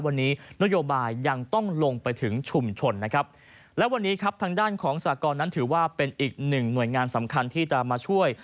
วันนี้นโยบายยังต้องลงไปถึงชุมชนนะครับและวันนี้ครับทางด้านของสากรนั้นถือว่าเป็นอีกหนึ่งหน่วยงานสำคัญที่จะมาช่วย